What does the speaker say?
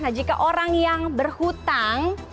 nah jika orang yang berhutang